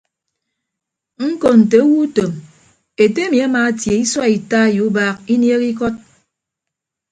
Ñko nte owo utom ete emi amaatie isua ita ye ubaak inieehe ikọt.